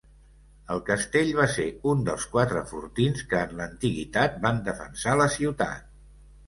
El castell va ser un dels quatre fortins que en l'antiguitat van defensar la ciutat.